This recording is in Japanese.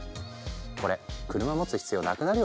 これ車持つ必要なくなるよね。